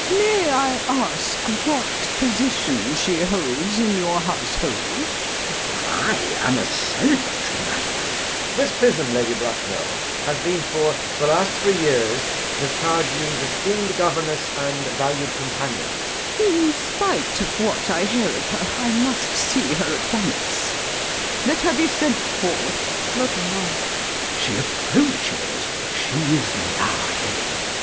May I ask what position she holds in your household? CHASUBLE. [Severely.] I am a celibate, madam. JACK. [Interposing.] Miss Prism, Lady Bracknell, has been for the last three years Miss Cardew's esteemed governess and valued companion. LADY BRACKNELL. In spite of what I hear of her, I must see her at once. Let her be sent for. CHASUBLE. [Looking off.] She approaches; she is nigh.